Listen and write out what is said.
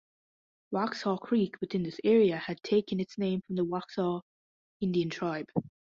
Waxhaw Creek within this area had taken its name from the Waxhaw Indian tribe.